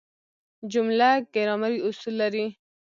جمله ګرامري اصول لري.